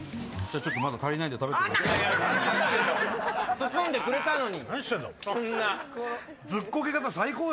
包んでくれたのに。